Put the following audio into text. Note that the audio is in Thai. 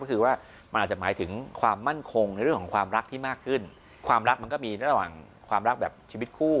ก็คือว่ามันอาจจะหมายถึงความมั่นคงในเรื่องของความรักที่มากขึ้นความรักมันก็มีระหว่างความรักแบบชีวิตคู่